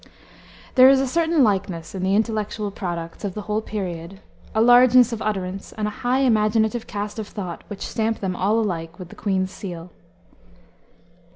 There is a certain likeness in the intellectual products of the whole period, a largeness of utterance, and a high imaginative cast of thought which stamp them all alike with the queen's seal.